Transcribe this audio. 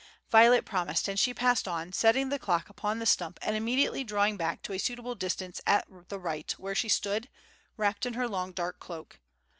Violet promised, and she passed on, setting the clock upon the stump and immediately drawing back to a suitable distance at the right, where she stood, wrapped in her long dark cloak.